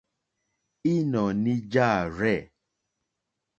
Ínɔ̀ní jâ rzɛ̂.